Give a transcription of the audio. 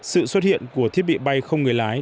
sự xuất hiện của thiết bị bay không người lái